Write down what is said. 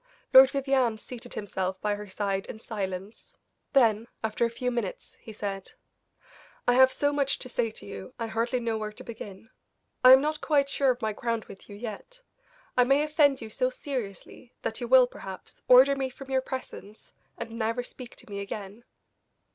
Lord Vivianne seated himself by her side in silence, then, after a few minutes, he said: "I have so much to say to you I hardly know where to begin. I am not quite sure of my ground with you yet; I may offend you so seriously that you will, perhaps, order me from your presence, and never speak to me again."